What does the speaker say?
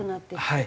はい。